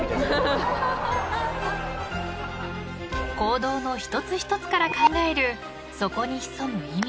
［行動の一つ一つから考えるそこに潜む意味］